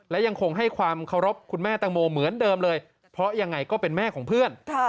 และยังคงให้ความเคารพคุณแม่ตังโมเหมือนเดิมเลยเพราะยังไงก็เป็นแม่ของเพื่อน